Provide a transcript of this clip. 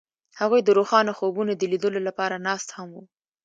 هغوی د روښانه خوبونو د لیدلو لپاره ناست هم وو.